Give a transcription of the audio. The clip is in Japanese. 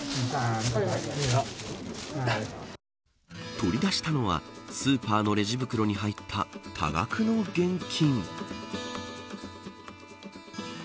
取り出したのはスーパーのレジ袋に入った多額の現金。